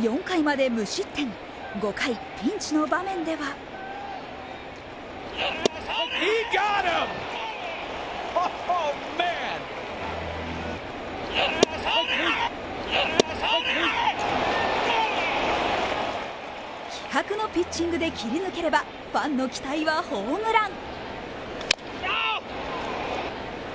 ４回まで無失点、５回、ピンチの場面では気迫のピッチングで切り抜ければ、ファンの期待はホームラン。